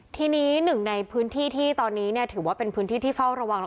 ทีนี้หนึ่งในพื้นที่ที่ตอนนี้ถือว่าเป็นพื้นที่ที่เฝ้าระวัง